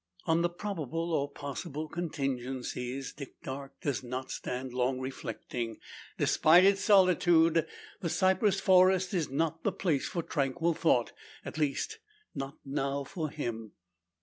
On the probable, or possible, contingencies Dick Darke does not stand long reflecting. Despite its solitude, the cypress forest is not the place for tranquil thought at least, not now for him.